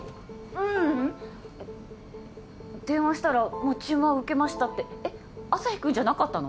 ううん電話したらもう注文は受けましたってえっ旭君じゃなかったの？